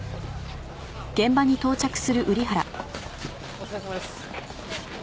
お疲れさまです。